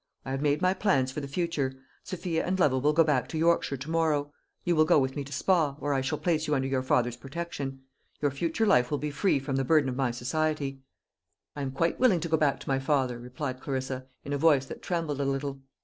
I have made my plans for the future. Sophia and Lovel will go back to Yorkshire to morrow. You will go with me to Spa, where I shall place you under your father's protection. Your future life will be free from the burden of my society." "I am quite willing to go back to my father," replied Clarissa, in a voice that trembled a little.